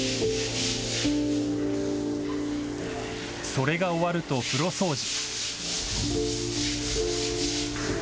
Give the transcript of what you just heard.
それが終わると風呂掃除。